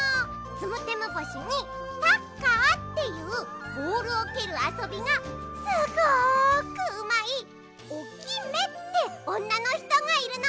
ツムテム星にサッカーっていうボールをけるあそびがすごくうまいオキメっておんなのひとがいるの。